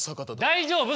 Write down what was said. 大丈夫？